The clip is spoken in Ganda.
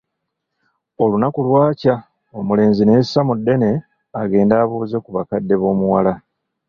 Olunaku lwakya omulenzi ne yessa mu ddene agende abuuze ku bakadde b'omuwala.